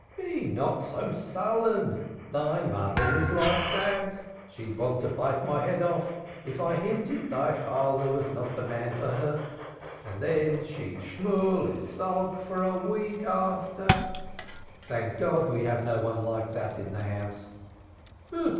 "Be not so sullen, thy mother was like that, she'd want to bite my head off if I hinted thy father was not the man for her, and then she'd schmull and sulk for a week after. Thank God, we have no one like that in this house.